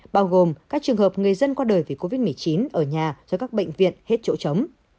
bao gồm các trường hợp người dân qua đời vì covid một mươi chín ở nhà do các bệnh viện hết chỗ chống